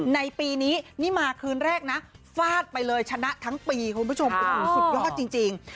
ในปีนี้นี่มาคืนแรกนะฟาดไปเลยชนะทั้งปีคุณผู้ชมโอ้โหสุดยอดจริง